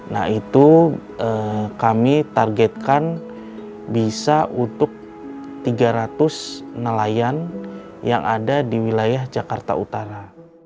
nah itu kami targetkan bisa untuk tiga ratus nelayan yang ada di wilayah jakarta utara